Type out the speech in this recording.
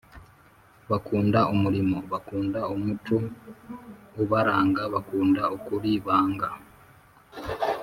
Bakunda umurimo bakunda umuco ubaranga bakunda ukuri banga